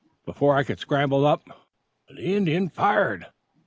Before I could scrabble up " "The Indian fired!"